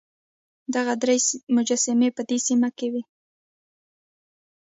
دغه درې مجسمې په دې سیمه کې وې.